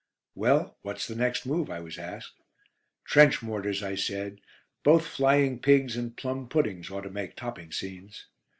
"Well, what's the next move?" I was asked. "Trench Mortars," I said. "Both 'Flying Pigs' and 'Plum Puddings' ought to make topping scenes."